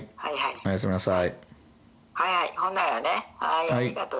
おやすみなさい。